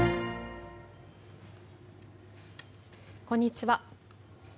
こんにちは。